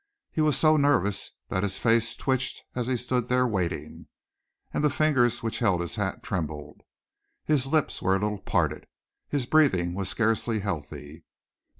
He was so nervous that his face twitched as he stood there waiting, and the fingers which held his hat trembled. His lips were a little parted, his breathing was scarcely healthy.